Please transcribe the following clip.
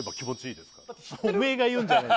おめえが言うんじゃねえ